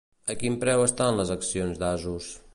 A quin preu estan les accions d'Asus?